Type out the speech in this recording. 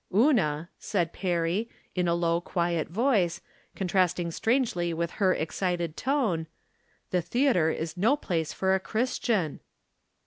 " Una," said Perry, in a low quiet voice, con trasting strangely with her excited one, " the the atre is no place for a Christian."